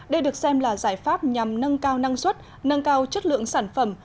đây được xem là giải pháp nhằm nâng cao năng suất nâng cao chất lượng sản phẩm